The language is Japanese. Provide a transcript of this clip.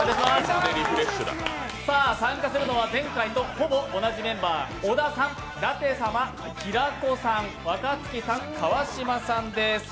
参加するのは前回とほぼ同じメンバー小田さん、舘様、平子さん、若槻さん、川島さんです。